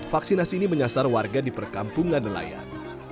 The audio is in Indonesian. vaksinasi ini menyasar warga di perkampungan nelayan